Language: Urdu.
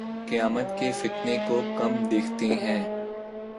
قیامت کے فتنے کو، کم دیکھتے ہیں